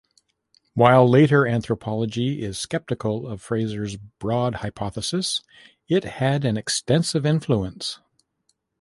While later anthropology is sceptical of Frazer's broad hypothesis, it had an extensive influence.